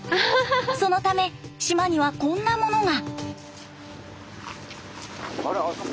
そのため島にはこんなものが。